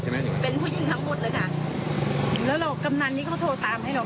สักระยะหนึ่งกำนันโทรกลับมาว่ากำนันโทรติดต้อได้แล้ว